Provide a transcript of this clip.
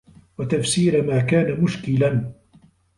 وَتَفْسِيرَ مَا كَانَ مُشْكِلًا